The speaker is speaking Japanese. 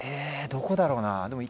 どこだろうな。